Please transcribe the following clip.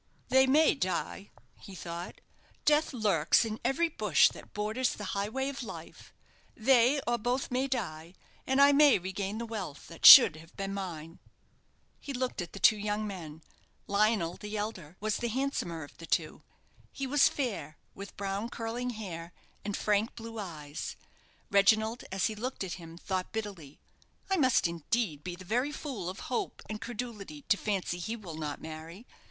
"They may die," he thought; "death lurks in every bush that borders the highway of life. They or both may die, and I may regain the wealth that should have been mine." He looked at the two young men. Lionel, the elder, was the handsomer of the two. He was fair, with brown curling hair, and frank blue eyes. Reginald, as he looked at him, thought bitterly, "I must indeed be the very fool of hope and credulity to fancy he will not marry.